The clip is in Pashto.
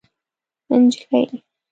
نجلۍ